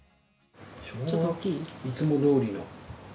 いつもどおりの。